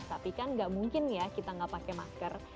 tapi kan tidak mungkin ya kita tidak pakai masker